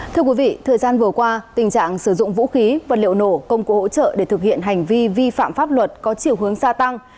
thưa quý vị thời gian vừa qua tình trạng sử dụng vũ khí vật liệu nổ công cụ hỗ trợ để thực hiện hành vi vi phạm pháp luật có chiều hướng gia tăng